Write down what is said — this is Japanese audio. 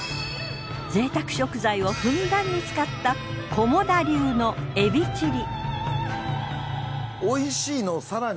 贅沢食材をふんだんに使った菰田流のエビチリ。